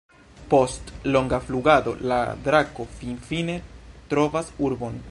Post longa flugado, la drako finfine trovas urbon.